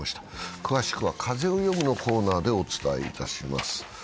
詳しくは「風をよむ」のコーナーでお伝えします。